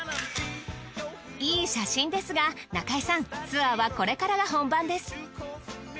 いい写真ですが中井さんツアーはこれからが本番です。